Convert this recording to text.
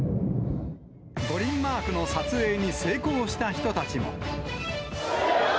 五輪マークの撮影に成功した人たちも。